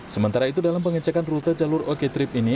sementara itu dalam pengecekan rute jalur oko trip ini